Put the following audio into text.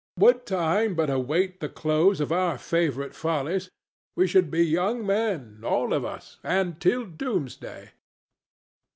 Would Time but await the close of our favorite follies, we should be young men—all of us—and till Doomsday.